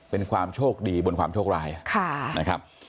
เป็นความโชคดีบนความโชคร้ายนะครับ